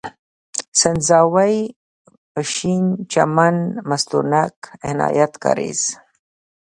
سنځاوۍ، پښين، چمن، مستونگ، عنايت کارېز